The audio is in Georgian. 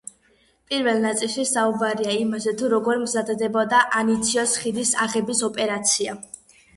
პირველ ნაწილში საუბარია იმაზე, თუ როგორ მზადდებოდა ანციოს ხიდის აღების ოპერაცია.